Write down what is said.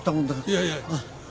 いやいや。